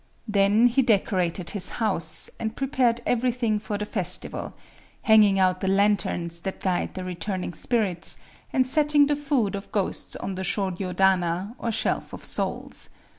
Then he decorated his house, and prepared everything for the festival;—hanging out the lanterns that guide the returning spirits, and setting the food of ghosts on the shōryōdana, or Shelf of Souls.